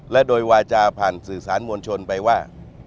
และโดยวาจาผ่านสื่อสารมวลชนไปว่า